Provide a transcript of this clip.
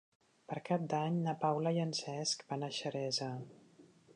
Per Cap d'Any na Paula i en Cesc van a Xeresa.